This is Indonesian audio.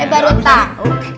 eh baru tak